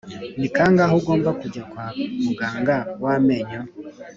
ni kangahe ugomba kujya kwa muganga w'amenyo?